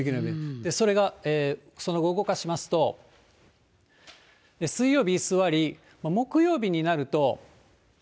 それがその後、動かしますと、水曜日居座り、木曜日になると。